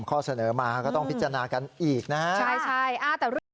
๓ข้อเสนอมาก็ต้องพิจารณากันอีกนะครับ